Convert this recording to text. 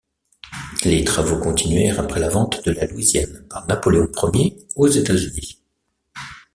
Les travaux continuèrent après la vente de la Louisiane par Napoléon Ier aux États-Unis.